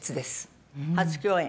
初共演？